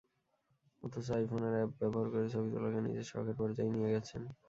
অথচ আইফোনের অ্যাপ ব্যবহার করে ছবি তোলাকে নিজের শখের পর্যায়েই নিয়ে গেছেন।